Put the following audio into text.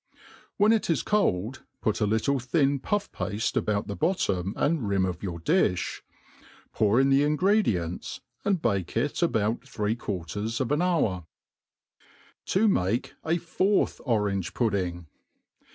When it is cold, put a little thin puff« pafte about th^ bottom and rim of your difli ; pour in the in* gredients, ^nd bake it about three quarters of an hour, 7i make a fourth Orangi^Pudding.